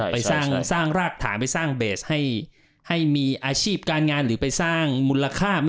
ไปสร้างรากฐานไปสร้างเบสให้มีอาชีพการงานหรือไปสร้างมูลค่า